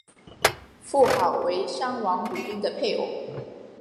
妇好为商王武丁的配偶。